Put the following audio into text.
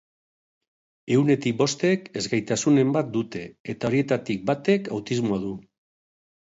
Ehunetik bostek ezgaitasunen bat dute eta horietatik batek autismoa du.